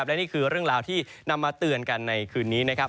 และนี่คือเรื่องราวที่นำมาเตือนกันในคืนนี้นะครับ